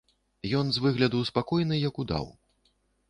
Ён з выгляду спакойны як удаў.